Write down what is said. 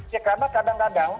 ya karena kadang kadang